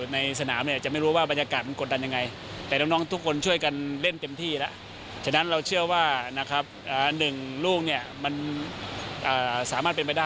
ในนัดเกมวันเสาร์นี้หรือเปล่า